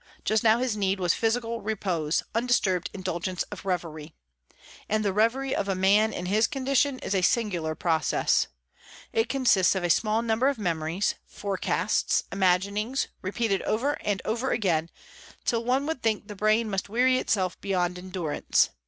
Just now his need was physical repose, undisturbed indulgence of reverie. And the reverie of a man in his condition is a singular process. It consists of a small number of memories, forecasts, imaginings, repeated over and over again, till one would think the brain must weary itself beyond endurance.